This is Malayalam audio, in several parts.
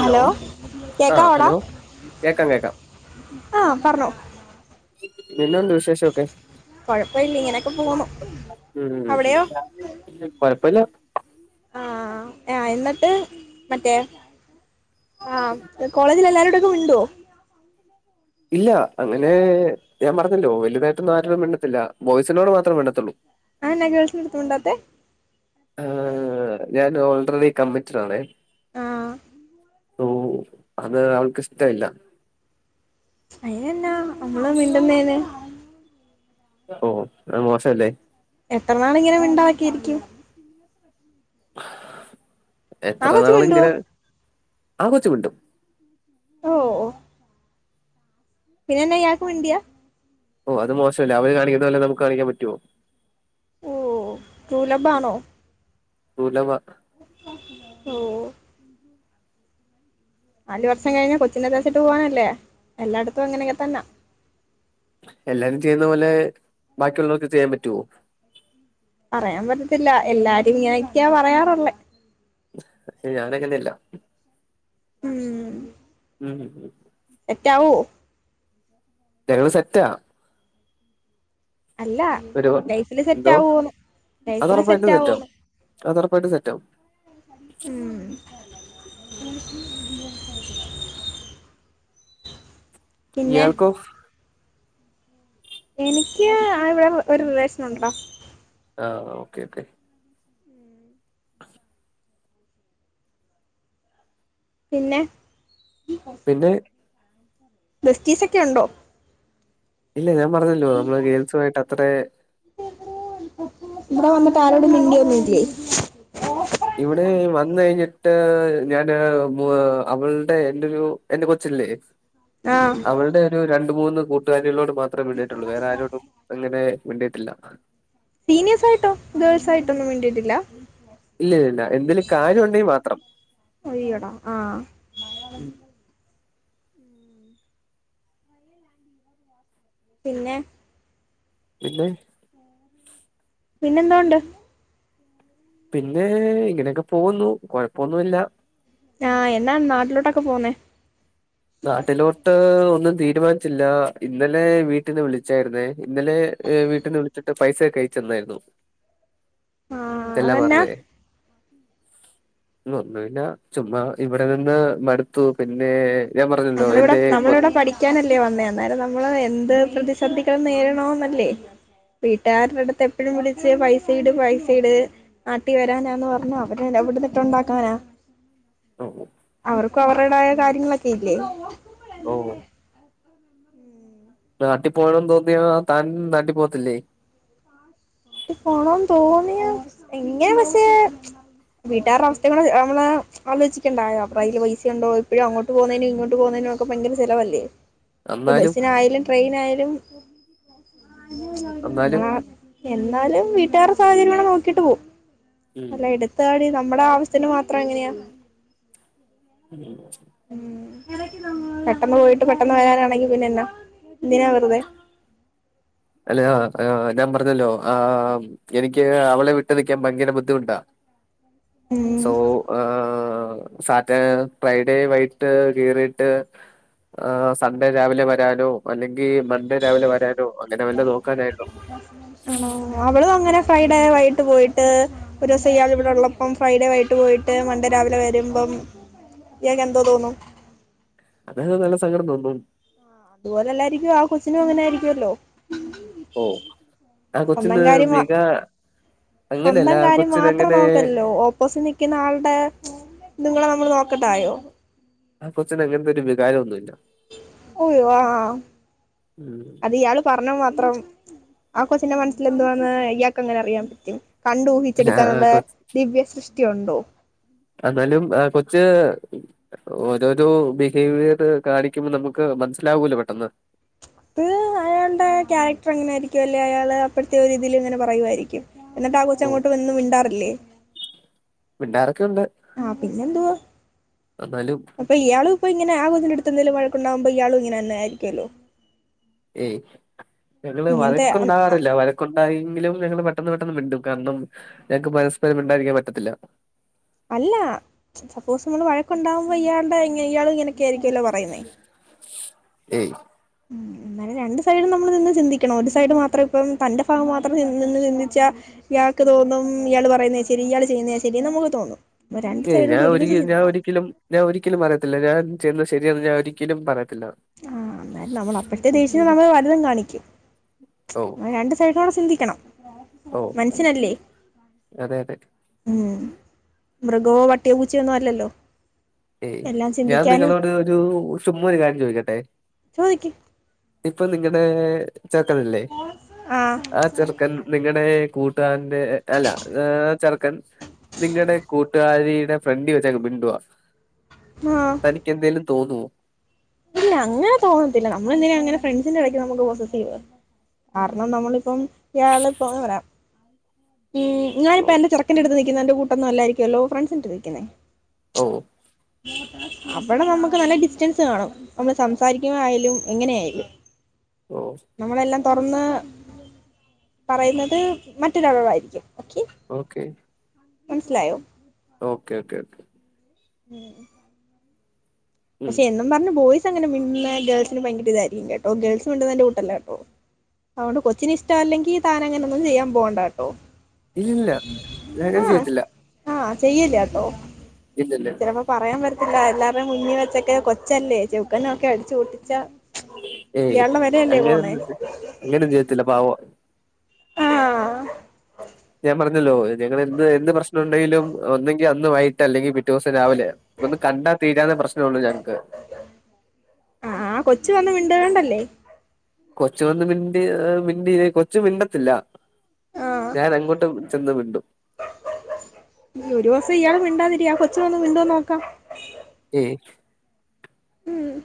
ഹലോ ആഹ് കേക്കാവോടാ ഹലോ കേക്കാം കേക്കാം ആ പറഞ്ഞോ പിന്നെന്താ വിശേഷൊക്കെ? കൊഴപ്പില്ല ഇങ്ങനൊക്കെ പോണു. അവിടെയോ പ്പല്ല ആഹ് ആ എന്നട്ട് മറ്റേ ആഹ് കോളേജിലെല്ലാരുടെ ഉണ്ടോ ഇല്ല അങ്ങനെ ഞാൻ പറഞ്ഞല്ലോ വലുതായിട്ടൊന്നും ആരോടും മിണ്ടത്തില്ല ബോയ്സിനോട് മാത്രം മിണ്ടത്തുള്ളൂ ആ എന്ന ഗേൾസിൻ്റടുത്ത് മിണ്ടാത്തെ ആ ഞാൻ ഓള്റടി കമ്മിറ്റടാണേ ആ ഓ അത് അവൾക്കിഷ്ടയില്ല അയിനെന്നാ പെമ്പുള്ളേര് മിണ്ടുന്നേന്ന് ഓ അത് മോശമല്ലേ എത്ര നാളിങ്ങനെ മിണ്ടാതെക്കെയിരിക്കും ആ എത്ര കൊച്ച് മിണ്ടുവോ നാളിങ്ങനെ ആ കൊച്ചു മിണ്ടും ഓ ഓ പിന്നെന്നാ ഇയാൾക്ക് മിണ്ടിയാ ഓ അത് മോശമല്ലേ അവര് കാണിക്കുന്നത് പോലെ നമുക്ക് കാണിക്കാൻ പറ്റുവോ? ഓ ട്രൂലബ്ബാണോ ട്രൂല വ്വാ ഓ നാല് വർഷം കഴിഞ്ഞാ കൊച്ചിനത്തേച്ചിട്ട് പോകാനല്ലേ എല്ലായിടത്തും അങ്ങനെങ്ങനെ തന്നെ എല്ലാരും ചെ ന്നപോലെ ബാക്കിയുള്ളോർക്ക് ചെയ്യാൻ പറ്റുവോ. പറയാൻ പറ്റത്തില്ല എല്ലാരും ഇങ്ങനെക്കെയാ പറയാറുള്ളേ. ഞാനങ്ങനെയല്ല. ഊം [unintelligible] സെറ്റാവോ ഞങ്ങള് സെറ്റാ. അല്ല ഒരു ലൈഫില് എന്തോ സെറ്റാവോന്ന് ലൈഫില് സെറ്റാവോന്ന്. പ്പായിട്ടും സെറ്റാവും. ഉം പിന്നെ ഇയാൾക്കോ എനിക്ക് ആ ഇവടെ ഒരു റിലേഷൻ ഉണ്ടടാ. ആഹ ഓക്കെ ഓക്കെ പിന്നെ പിന്നെ ബസ്റ്റീസ് ഒക്കെ ഉണ്ടോ ഇല്ല ഞാൻ പറഞ്ഞല്ലോ നമ്മള് ഗേൽസുയിട്ട് അത്ര ഇവിടെ വന്നിട്ട് ആരോടും മിണ്ടിന്നില്ലേ ഇവിടെ വന്ന് കഴിഞ്ഞിട്ട് ഞാന് അവളുടെ എന്റെ ഒരു എന്റെ കൊച്ചല്ലേ ആഹ് അവളുടെ ഒരു രണ്ട് മൂന്ന് കൂട്ടുകാരിളോട് മാത്രേ മിണ്ടിയിട്ടുള്ളൂ വേറെ ആരോടും എങ്ങനെ മിണ്ടിട്ടില്ല സീനിയേഴ്സ് ആയിട്ടോ ഗേൾസ് ആയിട്ടോ ഒന്നും വേണ്ടിയിട്ടില്ല ഇല്ലല്ല എന്തേലും കാര്യംമുണ്ടെങ്കിൽ മാത്രം അയ്യോടാ ആഹ് പിന്നെ പിന്നെ പിന്നെന്തണ്ട് പിന്നെ ഇങ്ങനെയൊക്കെ പോന്നുന്നു കൊഴപ്പൊന്നുമില്ല ആഹ് എന്നാ നാട്ടിലോട്ടൊക്കെ പോന്നേ നാട്ടിലോട്ട് ഒന്നും തീ തീരുമാനിച്ചില്ല ഇന്നലെ വീട്ടിന്ന് വിളിച്ചായിരുന്നേ ഇന്നലെ വീട്ടിന്ന് വിളിച്ചിട്ട് പൈസൊക്കെ അയച്ചന്നായിരുന്നു ആഹ് തല്ലാം അതെന്നാ പറഞ്ഞേ ഒന്നുന്ന ചുമ്മാ ഇവിടെ നിന്ന് മടുത്തു പിന്നെ ഞാൻ പറഞ്ഞല്ലോ നമ്മളിവിടെ എന്റെ കൊ നമ്മളിവിടെ പഠിക്കാനല്ലേ വന്നേ അന്നേരം നമ്മള് എന്ത് പ്രദി സദികടന്ന് നേരണോന്നല്ലേ വീട്ടുകാരുടെ അടുത്ത് എപ്പഴും വിളിച്ച് പൈസയിട് പൈസയിട് നാട്ടി വരാനാന്ന് പറഞ്ഞ അവര് എവിടന്നിട്ടുണ്ടാക്കാനാ ഓ അവർക്കും അവരുടായ കാര്യങ്ങളൊക്കെ ഇല്ലേ ഓ നാട്ടി പോകണന്ന് തോന്നിയ താൻ നാട്ടി പോത്തില്ലേ പോണം എന്ന് തോന്നിയ എങ്ങനെ പക്ഷേ വീട്ടാരുടെ അവസ്ഥ കൂടെ നമ്മളെ ആലോചിക്കണ്ടായ അപ്പൊ അതില് പൈസ ഉണ്ടോ ഇപ്പഴും അങ്ങോട്ട് പോന്നേന് ഇങ്ങോട്ട് പോകുന്നേന് ഒക്കെ ഭയങ്കര ചെലവല്ലേ ഇപ്പ എന്നാലും ബസ്സിനായാലും ട്രെയിനായാലും [unintelligible] എന്നാലും മച്ച് നമ്മൾ എന്നാലും വീട്ടുകാരുടെ സാഹചര്യങ്ങള നോക്കിട്ട് പോ ഉം അല്ല എടുത്താടി ന നമ്മുടെ ആവസ്ഥ മാത്രം എങ്ങനെയാ ഉ ഉ പെട്ടെന്ന് പോയിട്ട് പെട്ടന്ന് വരാനാണെങ്കി പിന്നെന്നാ എന്തിനാ വെറുതെ അല്ലയാ ആ ഞാൻ പറഞ്ഞല്ലോ ആ എനിക്ക് അവളെ വിട്ടു നിൽക്കാൻ ഭയങ്കര ബുദ്ധിമുട്ടാ. ഉം സോ ആഹ് സാറ്റെർ ഫ്രൈഡേ വൈക്ട്ട് കേറിട്ട് ആ സൺഡേ രാവിലെ വരാനോ അല്ലെ ങ്കി മൺണ്ടേ രാവിലെ വരാനോ നോക്കാനായിരുന്നു ആണോ അവളും അങ്ങനെ ഫ്രൈഡേ വ ഏട്ട് പോയിട്ട് ഒരോസയാള് ഇവിടുള്ളപ്പം ഫ്രൈഡേ വൈകിട്ട് പോയിട്ട് മൺണ്ടേ രാവിലെ വരുമ്പം യാക്ക് എന്തോ തോന്നും അത് നല്ല സങ്കടംതോന്നും ആഹ് അതുപോലെല്ലാരികോ ആ കൊച്ചിനും അങ്ങനെ ആയിരിക്കുവല്ലോ ഓ ആ സ്വന്തം കൊച്ചിന് കാര്യം മ. മിക അങ്ങനെയല്ല സ്വന്തം ആ കാര്യം മാത്രം കൊച്ചിനങ്ങനെ നോക്കല്ലല്ലോ ഓപ്പോസിറ്റ് നിക്കുന്ന ആള്ടെ നിങ്ങളെ നമ്മള് നോക്കണ്ടായോ ആ കൊച്ചിന് അങ്ങൻത്തൊരു വികാരം ഒന്നുല്ല ഓയ് വാ. ഉം അതിയാള് പർഞ്ഞ മാത്രം ആ കൊച്ചിന്റെ മനസ്സിലെന്തുവാന്ന് ഇയാക്കെങ്ങനെ അറിയാൻ പറ്റും കണ്ടു അല്ല ഊഹിച്ചെടുക്കാനുള്ള കൊ ദിവ്യ സൃഷ് ക്കെണ്ടോ എന്നാലും ആഹ് കൊച്ച് ഓരോരോ ബിഹേവിയർ കാണിക്കുമ്പം നമുക്ക് മനസ്സിലാവൂല്ലോ പെട്ടെന്ന് ത് അയാണ്ടെ ക്യാരക്ടർ അങ്ങനെ ആയിരിക്കുല്ലെ അയാള് അപ്പഴ്ത്തെ ഒരിതിലിങ്ങനെ പറയുവായിരിക്കും. എന്നിട്ട് ആകൊച്ച് അങ്ങോട്ട് വന്ന് മിണ്ടാറില്ലേ മിണ്ടാറ് ആ പിന്നെന്തുവാ എന്നാലും അപ്പൊ ഇയാള് അപ്പൊങ്ങനെ ആ കൊച്ചിന്റെട്ത്തെന്തെലും വഴക്കുണ്ടാകുമ്പോ ഇയാളും ഇങ്ങനെന്നെയായിരിക്കുവല്ലോ ഏയ് ഞങ്ങള് വഴക്കുണ്ടാവാറില്ല വഴക്കൊ തായെങ്കിലും ഞങ്ങള് പെട്ടെന്ന് പെട്ടെന്ന് മിണ്ടും കാരണം ഞങ്ങക്ക് പരസ്പരം മിണ്ടാതിരിക്കാൻ പറ്റത്തില്ല അല്ല സപ്പോസ് നമ്മള് വഴക്കുണ്ടാവുമ്പോ ഇയാളുടെങ്ങന ഇയാള് ഇങ്ങനൊക്കെ ആയിരിക്കുവല്ലോ പറയുന്നേ ഏയ് ഉം അങ്ങനെ രണ്ടു സൈഡും നമ്മള് നിന്ന് ചിന്തിക്കണം ഒരു സൈഡ് മാത്രം ഇപ്പം തന്റെ ഭാഗം മാത്രം നിന്ന് ചിന്തിച്ചാ ഇയാൾക്ക് തോന്നും ഇയാള് പറയുന്നതാ ശരി ഇയാൾ ചെയ്യുന്നതാ ശരി നമുക്ക് തോന്നും അപ്പ രണ്ട് ഏയ് സൈഡിലൂടെ ഞാൻ ഒരി ഒരുമിച്ച് ഞാൻ ചിന്തിക്കണം ഒരിക്കലും ഞാൻ ഒരിക്കലും പറയത്തില്ല ഞാൻ- ചെയ്യ്ന്നത് ശരിയെന്ന് ഞാൻ ഒരിക്കലും പറയ ആ എന്നാലും നമ്മള് അപ്പഴത്തെ ദേഷ്യം നമ്മള് - എന്തും കാണിക്കും ഓ രണ്ട് സൈഡിലാണ് സിന്തി ക്കണം ഓ അതെ അതെ ഉം മൃഗവോ വട്ടിയോ പൂച്ചിയോ ഒന്നും അല്ലല്ലോ ഏയ് എല്ലാം ഞാൻ ചിന്തിക്കാനും നിങ്ങളോട് ഒരു ചുമ്മാ ഒരു കാര്യം ചോദിക്കട്ടെ ചോയിക്ക് ഇപ്പൊ നിങ്ങടെ ചെറക്കനില്ലേ ആഹ് ആ ചെറുക്കൻ നിങ്ങടെ കൂട്ടുകാരന്റെ അല്ല ചെറുക്കൻ നിങ്ങടെ കൂട്ടുകാരിയുടെ ഫ്രണ്ട് വെച്ചങ്ങ് മിണ്ടുവാ ആഹ് തനിക്ക് എന്തേലും തോന്നുവോ ഇല്ല അങ്ങനെ തോന്നത്തില്ല നമ്മള് ന്തിനാ അങ്ങനെ ഫ്രണ്ട്സിന്റെ ഇടയ്ക്ക് നമുക്ക് പൊസസീവ് കാരണം നമ്മളിപ്പം ഇയാള്പ്പോ ങ്ങനെ പറയാ ഉം ഞാനിപ്പ എന്റെ ചെറക്കന്റെടുത്ത് നി ക്കിന്നേൻ്റെ കട്ടൊന്നും ആല്ലായിരിക്കുമല്ലോ ഫ്രണ്ട്സിൻ്റടുത്ത് നിക്കുന്നേ ഓ അവിടെ നമുക്ക് നല്ല ഡിസ്റ്റൻസ് കാണും നമ്മള് സംസാരിക്കുന്ന ആയാലും എങ്ങനെയായാലും ഓ നമ്മളെല്ലാം തുറന്ന് പറയുന്നത് മറ്റൊരാളോടായിരിക്കും ഓക്കെ ഓക്കെ മൻസിലയോ ഓക്കേ ഓക്കെ ഓക്കെ ഊം ഉം പക്ഷെ എന്നും പറഞ്ഞ് ബോയി സങ്ങനെ [unintelligible] ഗേൾസിന് ഭയങ്കര ഇതായിരിക്കും കേട്ടോ ഗേൾസ് മിണ്ടുന്നേന്റെ കൂട്ടല്ലാട്ടോ അതുകൊണ്ട് കൊച്ചിന് ഇഷ്ട അല്ലെങ്കി താൻ അങ്ങനെ ഒന്നും ചെയ്യൻ പോണ്ട കേട്ടോ. ഇല്ലില്ല. ഞാ ങ്ങനെ ചെയ്യത്തില്ല. ചെയ്യില്യാട്ടോ. ഇല്ലില്ല ചിലപ്പോ പറയാൻ പറ്റ ത്തില്ല. എല്ലാവര്ടേം മുന്നി വെച്ചൊക്കെ കൊച്ചല്ലേ ചവുക്കനൊക്കെ അടിച്ച് പൊട്ടിച്ചാ ഏയ് അങ്ങനെ അങ്ങനൊന്നും ചെ അങ്ങനൊന്നും ചെയ്യത്തില്ല. പാവ വാ ആഹ് ഞാൻ പറഞ്ഞല്ലോ ഞങ്ങളെന്ത് എന്ത് പ്രശ്നംണ്ടെങ്കിലും ഒന്നെങ്കി അന്ന് വയ്കിട്ട് അല്ലെങ്കിൽ പി റ്റോസം രാവിലെ പ്പ ഒന്ന് കണ്ടാ തീരാവ്ന്ന പ്രശ്ന ഒള്ളു ഞങ്ങക്ക്. ച്ച് വന്ന് മിണ്ടാണ്ടല്ലേ. കൊച്ചു വന്ന് മിണ്ടി മിണ്ടി [unintelligible] കൊച്ചു മിണ്ടത്തില്ല. ഞാൻ അങ്ങോട്ടും ചെന്ന് മിണ്ടും ഇനിയൊരു ദുവസം ഇയാള് മിണ്ടാതിരിയാ, കൊച്ച് വന്ന് മിണ്ടോന്ന് നോക്കാം. ഏയ് ഉം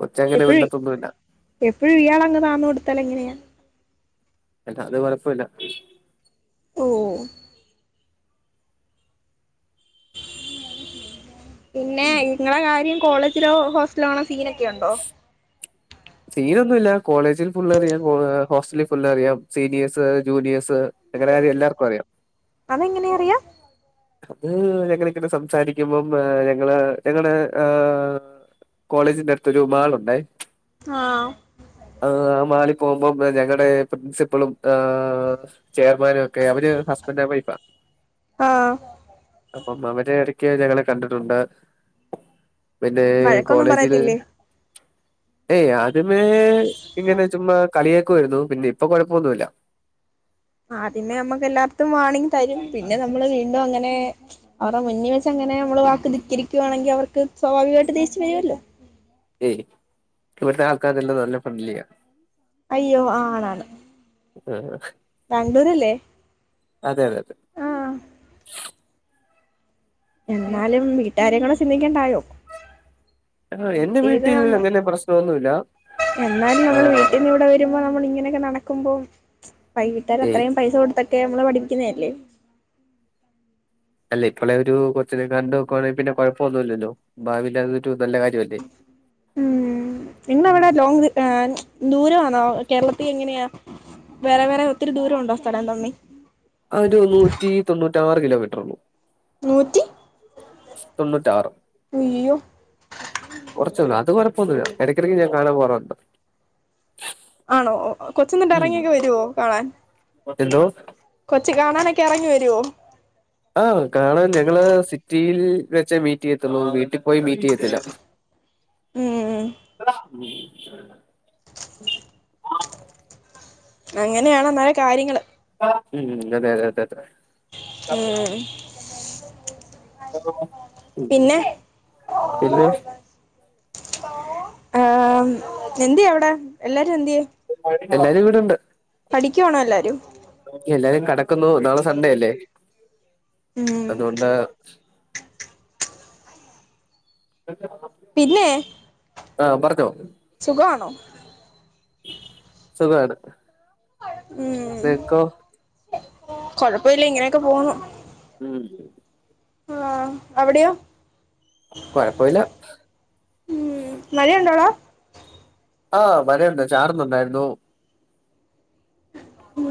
കൊച്ചങ്ങനെ എപ്പഴും മിണ്ടത്തൊന്നുമില്ല എപ്പഴും ഇയാൾ അങ്ങ് താന്ന് കൊടുത്താലെങ്ങനെയാ. അല്ല അത് കൊഴപ്പില്ല ഓ പിന്നെ ഉം. ഇങ്ങളെ കാര്യം കോളേജിലോ ഹോസ്റ്റലോ ആണോ സീന് ഒക്കെ ഉണ്ടോ സീനൊന്നുമില്ല കോളേജിൽ ഫുളറിയാം ഹോസ്റ്റലിൽ ഫുള് അറിയാം സീനിയേഴസ് ജൂനിയേഴ്സ് ഞങ്ങടെ കാര്യം എല്ലാർക്കും അറിയാം അതെങ്ങനെ അറിയാം അത് ഞങ്ങളി ങ്ങനെ സംസാരിക്കുമ്പം ഞങ്ങള് ഞങ്ങടെ കോളേജിന്റെ അടുത്തരു മാളുണ്ടേ ആ ആ ആ മാളി ൽ പോകുമ്പം ഞങ്ങടെ പ്രിൻസിപ്പളും ആ ചെയർമാനും ഒക്കെ അവര് ഹസ്ബൻഡാൻ വൈഫാ ആഹ് അപ്പം അവര് ഇടയ്ക്ക് ഞങ്ങളെ കണ്ടിട്ടുണ്ട് പിന്നെ വഴക്കൊന്നും കോളേജില് പറയത്തില്ലേ ഏയ് ആദ്യമേ ഇങ്ങനെ ചുമ്മാ കളിയാ ക്കുവാരുന്നു പിന്നെ ഇപ്പൊ കൊഴപ്പൊന്നൂല്ല ആ പിന്നെ നമ്മുക്ക് എല്ലാർക്കും വാണ്ണിങ് തരും പിന്നെ നമ്മള് വീണ്ടും അങ്ങനെ അവർടെ മുന്നിൽ വെച്ച് അങ്ങനെ നമ്മള് വാക്ക് ധിക്കരിക്കുവാണെങ്കി അവർക്ക് സ്വാഭാവികമായിട്ട് ദേശ്യം വരുവല്ലോ ഏയ് ഇവിടുത്തെ ആൾക്കാരെല്ലാം നല്ല ഫ്രണ്ട്ലിയ അയ്യോ ആണാണ് ഉം ബാംഗ്ലൂരല്ലേ അതെ അതെ ആഹ് എന്നാലും വീട്ടാരെക്കൂടെ ചിന്തിക്കണ്ടായോ ആ, നമ്മളെ എന്റെ വീട്ടിൽ വീട്ടിന്നാവുമ്പം അങ്ങനെ പ്രശ്നമൊന്നുമില്ല എന്നാലും നമ്മൾ ആഹ് വീട്ടിൽന്ന് ഇവിടെ വരുമ്പോ നമ്മൾ ഇങ്ങ അങ്ങനൊക്കെ നടക്കുമ്പോം വൈ കിട്ടാ ര് ഏയ് അത്രയും പൈസ കൊടുത്ത ക്കെ നമ്മളെ പഠിപ്പിക്കുന്നേയല്ലേ അല്ലെ ഇപ്പോളെ ഒരു കൊചിനെ കണ്ടു വക്കുവാണെങ്കിൽ പിന്നെ കൊഴപ്പൊന്നുമില്ലല്ലോ ഭാവിയിൽ അത് ഒരു നല്ല കാര്യമല്ലേ ഇന്നവിടെ ലോങ് ഏൻ ദൂരമാന്നോ കേരളത്തിൽ എങ്ങനെയാ വേറെ വേറെ ഒത്തിരി ദൂരം ഉണ്ടോ സ്ഥലം തമ്മി ആ ഒരു നൂറ്റി തൊണ്ണൂ റ്റാറ് കിലോമീറ്റർ ഉള്ളൂ നൂറ്റി തൊണ്ണൂറ്റാറ് അയ്യോ കൊറചെയുള്ളൂ അത് കൊഴ പൊന്നുല്യാ ഇടയ്ക്കിടയ്ക്ക് ഞാൻ കാണാൻ പോവാറുണ്ട് ആണോ ഓ കൊച്ച് ന്നിട്ട് ഇറങ്ങിയൊക്കെ വരുവോ കാണാൻ എന്തോ കൊച്ച് കാണാനൊ ക്കെ എറങ്ങി വരുവോ ആ കാണാൻ ഞങ്ങള് സിറ്റിയിൽ വെച്ചേ മീറ്റ് ചെയ്യത്തുള്ളൂ വീട്ടിൽ പോയി മീറ്റ് ചെയ്യത്തില്ല ഉം എടാ ഉം അങ്ങനെയാണ് അന്നേരം കാര്യങ്ങള് ഉം അതെ അതെ അതെ അതെ ഉം അലോ പിന്നെ ഓ ആ എന്തേ അവിടെ എല്ലാരും എന്തേ എല്ലാരും ഇവിടെണ്ട് പഠിക്കുവാണോ എല്ലാവരും എല്ലാരും കിടക്കുന്നു നാളെ സൺഡേ അല്ലേ ഉം അതൊണ്ട [unintelligible] പിന്നെ ആഹ് പറഞ്ഞോ സുഖമാണോ സുഖാണ് ഉം നിങ്ങക്കോ കൊഴപ്പം ഇല്ല ഇങ്ങനെയൊക്കെ പോന്നു ഉം ആ അവിടെയോ കൊഴപ്പില്ല ഉം മഴയുണ്ടോടാ ആഹ് മഴണ്ട് ചാറുന്നുണ്ടായിരുന്നു ഉം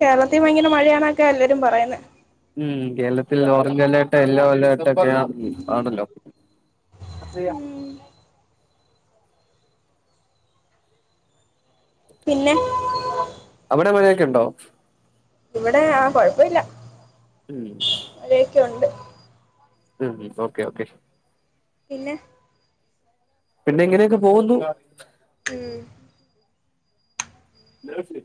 കേരളത്തിൽ ഭയങ്കര മഴയാണൊക്കെ എല്ലാരും പറയുന്നെ ഉം കേരളത്തിൽ ഓറഞ്ച് അലേർട്ട് യെല്ലോ അലേർട്ട് ഒക്കെയ ആണല്ലോ ഉം പിന്നെ അവിടെ മഴയൊക്കെ ഉണ്ടോ ഇവിടെ ആ കൊഴപ്പില്ല ഉം ലേക്കുണ്ട് ഉം ഓക്കെ ഓക്കെ പിന്നെ പിന്നെ എങ്ങനെയൊക്കെ പോകുന്നു ഉം നാസ്‌ലി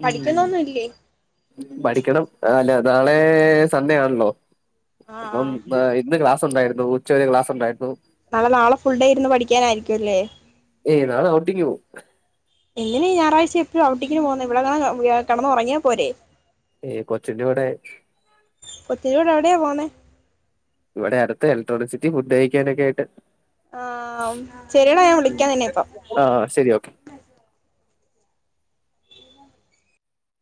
പഠിക്കുന്നൊന്നുംല്ലേ പഠിക്കണം അല്ല നാളെ സൺ‌ഡേ ആണല്ലോ ആഹ് അപ്പം ആഹ് ദേ ഇന്ന് ക്ലാസ് ഉണ്ടായിരുന്നു ഉച്ചവരെ ക്ലാസ്സ്‌ ഉണ്ടായിരുന്നു നാളെ നാളെ ഫുൾ ഡേ ഇന്ന് പഠിക്കാനായിരിക്കുംല്ലേ ഏയ് നാളെ ഔട്ടിങ് പോകും എങ്ങനെ ഞായറാഴ്ച എപ്പോഴും ഔറ്റിംഗിന് പോകന്നേ ഇവിടെങ്ങാനും കിടന്നു ഉറങ്ങിയാ പോരേ ഏ കൊച്ചിന്റെ കൂടെ കൊചിനെക്കൊണ്ട് എവിടെ പോകുന്നേ ഇവിടെ അടുത്ത് ഇലക്ട്രോണിസിറ്റി ഫുഡ് കഴിക്കാനൊക്കെ ആയിട്ട്- ആ ശെരിയെടാ ഞാൻ വിളിക്കാ നിന്നെ ഇപ്പൊ ആ ശരി ഓക്കെ